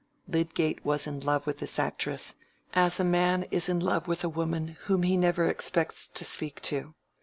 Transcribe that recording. Lydgate was in love with this actress, as a man is in love with a woman whom he never expects to speak to.